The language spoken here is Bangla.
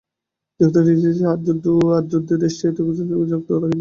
যুক্তরাষ্ট্রের ইতিহাসে আর কোনো যুদ্ধে দেশটি এত দীর্ঘ সময় ধরে যুক্ত থাকেনি।